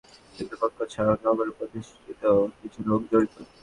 Ticket কালোবাজারিদের সঙ্গে launch কর্তৃপক্ষ ছাড়াও নগরের প্রতিষ্ঠিত কিছু লোক জড়িত।